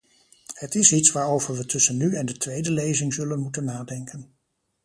Het is iets waarover we tussen nu en de tweede lezing zullen moeten nadenken.